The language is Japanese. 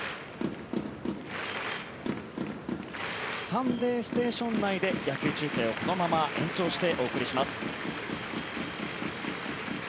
「サンデーステーション」内で野球中継をこのまま延長してお伝えします。